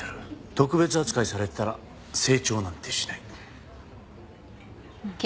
特別扱いされてたら成長なんてしない。